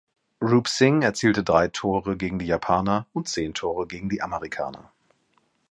Roop Singh erzielte drei Tore gegen die Japaner und zehn Tore gegen die Amerikaner.